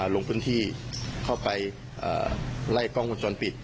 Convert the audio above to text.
ลงพื้นที่เข้าไปไล่กล้องวงจรปิด